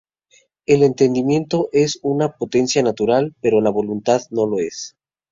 El entendimiento es una potencia natural, pero la voluntad no lo es.